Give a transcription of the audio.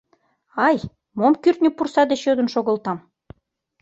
— Ай, мом кӱртньӧ пурса деч йодын шогылтам.